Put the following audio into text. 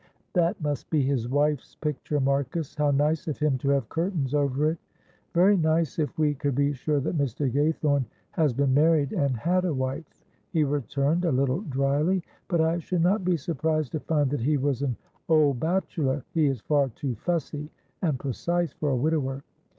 "That must be his wife's picture, Marcus. How nice of him to have curtains over it!" "Very nice if we could be sure that Mr. Gaythorne has been married and had a wife," he returned, a little dryly; "but I should not be surprised to find that he was an old bachelor; he is far too fussy and precise for a widower.